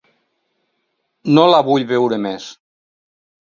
No la vull veure més.